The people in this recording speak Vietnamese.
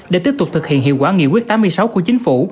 để tiếp tục thực hiện hiệu quả nghị quyết tám mươi sáu của chính phủ